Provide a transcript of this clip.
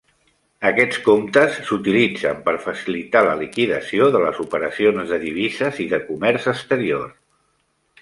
Aquests comptes s'utilitzen per facilitar la liquidació de les operacions de divises i de comerç exterior.